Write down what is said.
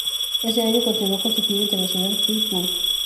Ese año continuó con su gira internacional "Free Tour".